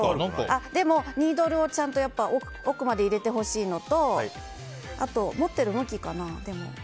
でも、ニードルをちゃんと奥まで入れてほしいのとあと持っている向きかな。